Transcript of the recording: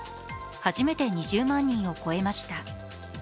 初めて２０万人を超えました。